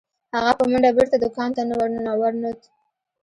هغه په منډه بیرته دکان ته ورنوت.